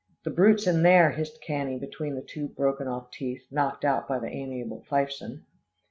"The brute's in there," hissed Cannie between the two broken off teeth, knocked out by the amiable Fifeson.